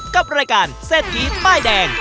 กับรายการเศรษฐีป้ายแดง